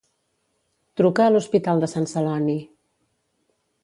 Truca a l'Hospital de Sant Celoni.